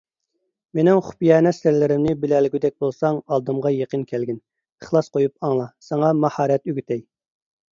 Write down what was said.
مېنىڭ خۇپىيانە سىرلىرىمنى بىلەلىگۈدەك بولساڭ ئالدىمغا يېقىن كەلگىن، ئىخلاس قويۇپ ئاڭلا، ساڭا ماھارەت ئۆگىتەي.